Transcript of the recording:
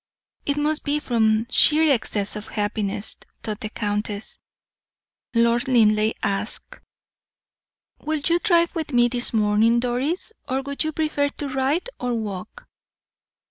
"It must be from sheer excess of happiness," thought the countess. Lord Linleigh asked: "Will you drive with me this morning, Doris, or would you prefer to ride or walk?"